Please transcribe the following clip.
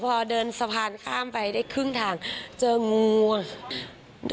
พอเดินสะพานข้ามไปได้ครึ่งทางเจองูอ่ะ